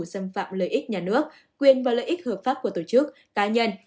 xâm phạm lợi ích nhà nước quyền và lợi ích hợp pháp của tổ chức cá nhân